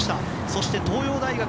そして東洋大学、